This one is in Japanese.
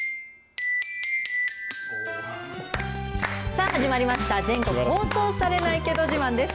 さあ、始まりました、全国放送されないけど自慢です。